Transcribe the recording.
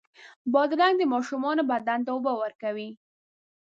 بادرنګ د ماشومانو بدن ته اوبه ورکوي.